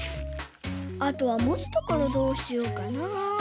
あとはもつところどうしようかな？